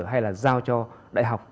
hay là giao cho đại học